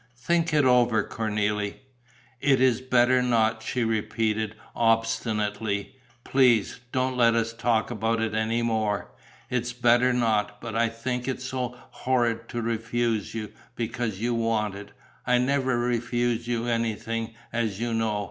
"Think it over, Cornélie." "It is better not," she repeated, obstinately. "Please, don't let us talk about it any more. It is better not, but I think it so horrid to refuse you, because you want it. I never refuse you anything, as you know.